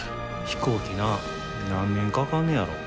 飛行機な何年かかんねやろ。